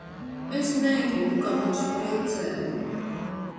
Es negribu, ka man špricē!